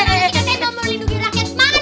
anak saya nomor lindungi rakyat